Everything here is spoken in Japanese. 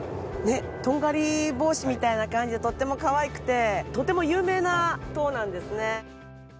とんがり帽子みたいな感じでとってもかわいくてとても有名な塔なんですね。